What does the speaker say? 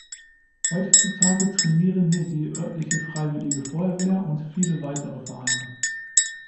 Heutzutage trainieren hier die örtliche Freiwillige Feuerwehr und viele weitere Vereine.